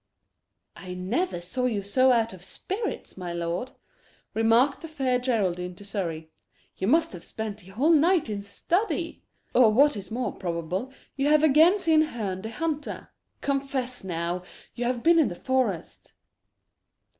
"I never saw you so out of spirits, my lord," remarked the Fair Geraldine to Surrey; "you must have spent the whole night in study or what is more probable, you have again seen Herne the Hunter. Confess now, you have been in the forest."